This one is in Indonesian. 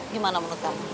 gimana menurut kamu